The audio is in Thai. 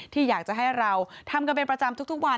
ที่อยากจะให้เราทำกันเป็นประจำทุกวัน